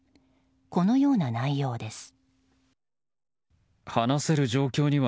このような内容です。